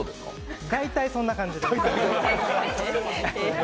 大体、そんな感じです。